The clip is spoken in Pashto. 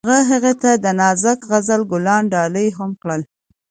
هغه هغې ته د نازک غزل ګلان ډالۍ هم کړل.